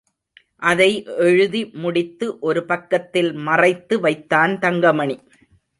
அதை எழுதி முடித்து, ஒரு பக்கத்தில் மறைத்து வைத்தான் தங்கமணி.